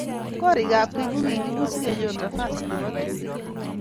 korik ab keny ko kokiput si kenyor nafas nebo tuget